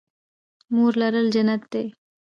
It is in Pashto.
مور لرل جنت دی